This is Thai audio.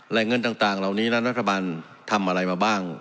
แหล่งเงินต่างเหล่านี้นั้นรัฐบาลทำอะไรมาบ้าง